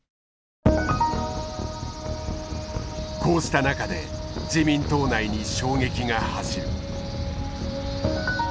こうした中で自民党内に衝撃が走る。